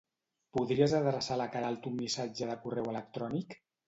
Podries adreçar a la Queralt un missatge de correu electrònic?